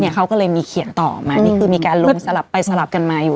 เขาก็เลยมีเขียนต่อมานี่คือมีการลงสลับไปสลับกันมาอยู่